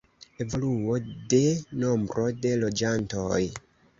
Evoluo de nombro de loĝantoj.